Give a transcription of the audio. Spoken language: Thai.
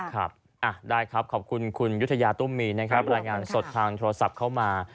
ครับได้ครับขอบคุณคุณยุธยาตุ้มมีนะครับรายงานสดทางโทรศัพท์เข้ามา